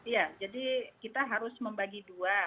ya jadi kita harus membagi dua